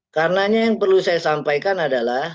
karena yang perlu saya sampaikan adalah